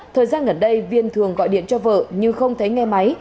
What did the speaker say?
thời gian gần đây viên thường gọi điện cho vợ nhưng không thấy nghe máy